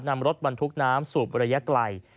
นำรถบรรทุกน้ำสูบระยะไกล